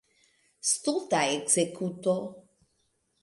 Stulta ekzekuto!